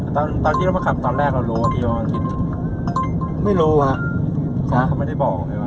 ตอนที่เรามาขับเรารู้ว่าที่เรามาขับขับก็ไม่รู้